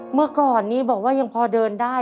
เมื่อก่อนนี้บอกว่ายังพอเดินได้